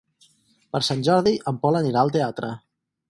Per Sant Jordi en Pol anirà al teatre.